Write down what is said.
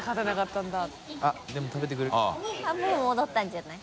もう戻ったんじゃない。